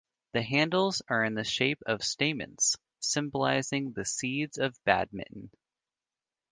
The handles are in the shape of stamens, symbolising the seeds of badminton.